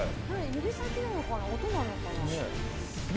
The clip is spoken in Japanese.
指先なのかな、音なのかな。